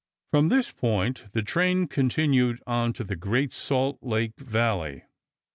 From this point the train continued on to the Great Salt Lake Valley.